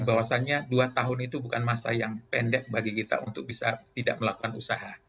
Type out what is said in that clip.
bahwasannya dua tahun itu bukan masa yang pendek bagi kita untuk bisa tidak melakukan usaha